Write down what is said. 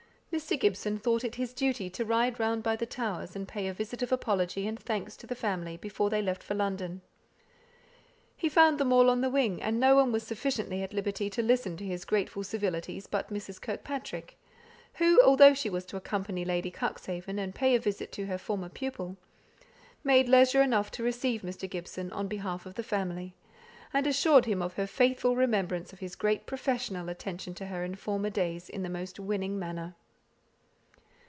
Mr. Gibson thought it his duty to ride round by the Towers, and pay a visit of apology and thanks to the family, before they left for London. He found them all on the wing, and no one was sufficiently at liberty to listen to his grateful civilities but Mrs. Kirkpatrick, who, although she was to accompany Lady Cuxhaven, and pay a visit to her former pupil, made leisure enough to receive Mr. Gibson, on behalf of the family; and assured him of her faithful remembrance of his great professional attention to her in former days in the most winning manner.